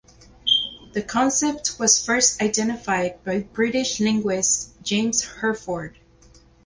The concept was first identified by British linguist James Hurford.